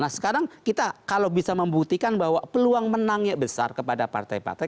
nah sekarang kita kalau bisa membuktikan bahwa peluang menangnya besar kepada partai partai